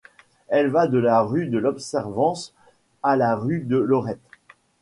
Elle va de la rue de l’observance à la rue de Lorette.